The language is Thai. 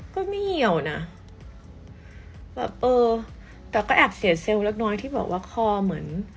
ก็ไม่เหี่ยวนะแบบเออแต่ก็แอบเสียเซลล์เล็กน้อยที่บอกว่าคอเหมือน